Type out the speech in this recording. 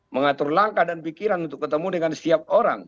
mengatur langkah dan pikiran untuk ketemu dengan setiap orang